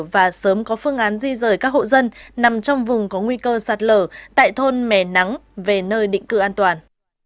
và sớm có phương án di rời các hộ dân nằm trong vùng có nguy cơ sạt lở tại thôn mẻ nắng về nơi định cư an toàn